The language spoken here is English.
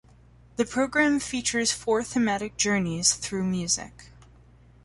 The program featured four thematic "journeys" through music.